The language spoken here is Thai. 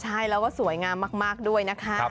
ใช่แล้วก็สวยงามมากด้วยนะคะ